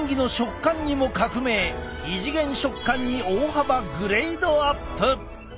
異次元食感に大幅グレードアップ！